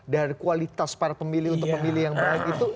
dan kualitas para pemilih untuk pemilih yang baik itu